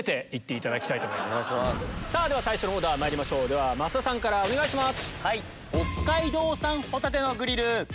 最初のオーダーまいりましょう増田さんからお願いします。